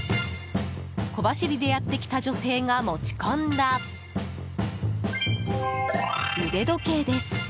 小走りでやってきた女性が持ち込んだ腕時計です。